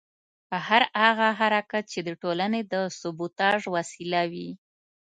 هر هغه حرکت چې د ټولنې د سبوټاژ وسیله وي.